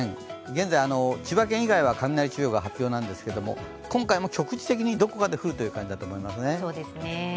現在、千葉県以外は雷注意報が発表なんですけど今回も局地的にどこかで降るという感じだと思いますね。